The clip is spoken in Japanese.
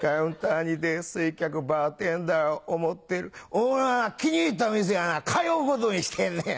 「俺はな気に入った店は通うことにしてんねや」。